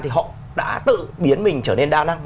thì họ đã tự biến mình trở nên đa năng